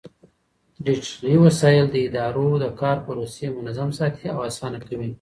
ډيجيټلي وسايل د ادارو د کار پروسې منظم ساتي او آسانه کوي.